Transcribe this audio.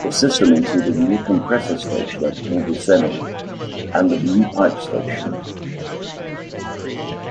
The system included a new compressor station at Bulbuceni, and of new pipe station.